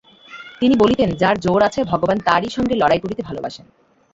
তিনি বলিতেন, যার জোর আছে ভগবান তারই সঙ্গে লড়াই করিতে ভালোবাসেন।